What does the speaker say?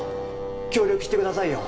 協力してくださいよ。